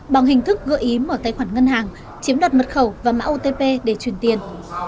bằng hình thức gợi ý mở tài khoản ngân hàng chiếm đoạt mật khẩu và mã otp để truyền tiền